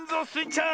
ちゃん！